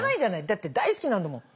だって大好きなんだもん。